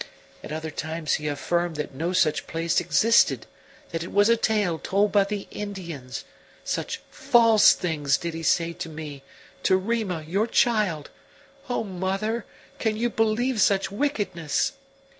At other times he affirmed that no such place existed; that it was a tale told by the Indians; such false things did he say to me to Rima, your child. O mother, can you believe such wickedness?